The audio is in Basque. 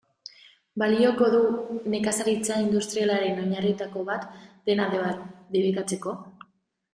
Balioko du nekazaritza industrialaren oinarrietako bat dena debekatzeko?